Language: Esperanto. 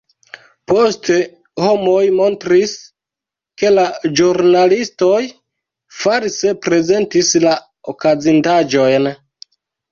Poste homoj montris, ke la ĵurnalistoj false prezentis la okazintaĵojn.